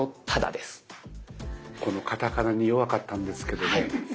カタカナに弱かったんですけどね